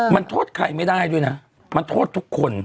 มันโทษใครไม่ได้ด้วยนะมันโทษทุกคน